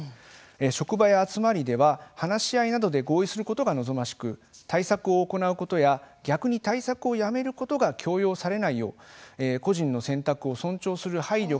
職場や集まりでは話し合いなどで合意することが望ましく対策を行うことや逆に対策をやめることが強要されないよう個人の選択を尊重する配慮がなされるべきだ。